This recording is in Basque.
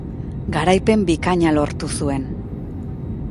Garaipen bikaina lortu zuen.